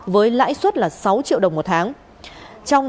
với lãi suất là sáu triệu đồng một tháng